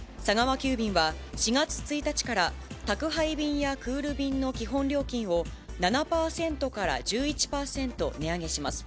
急便は、４月１日から、宅配便やクール便の基本料金を、７％から１１％値上げします。